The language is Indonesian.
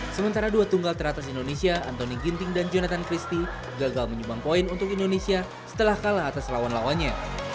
sementara dua tunggal teratas indonesia antoni ginting dan jonathan christie gagal menyumbang poin untuk indonesia setelah kalah atas lawan lawannya